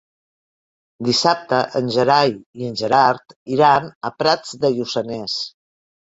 Dissabte en Gerai i en Gerard iran a Prats de Lluçanès.